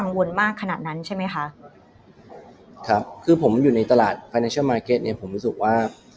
วนมากขนาดนั้นใช่ไหมคะครับคือผมอยู่ในตลาดภายในเชอร์มาร์เก็ตเนี่ยผมรู้สึกว่า